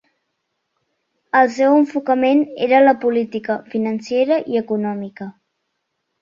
El seu enfocament era la política financera i econòmica.